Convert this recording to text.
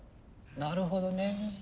なるほどね。